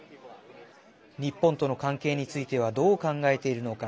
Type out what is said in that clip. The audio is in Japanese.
日本との関係についてはどう考えているのか。